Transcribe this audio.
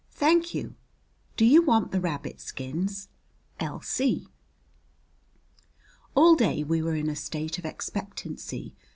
Thank you. Do you want the rabbit skins? L.C. All day we were in a state of expectancy.